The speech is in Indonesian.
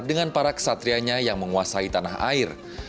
dengan para kesatrianya yang menguasai tanah air